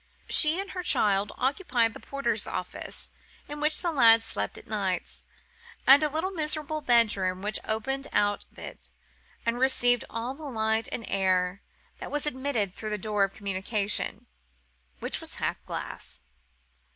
She and her child occupied the porter's office (in which the lad slept at nights) and a little miserable bed room which opened out of it, and received all the light and air that was admitted through the door of communication, which was half glass.